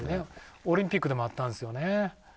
オリンピックでもあったんですよね。